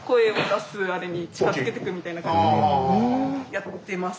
やってます。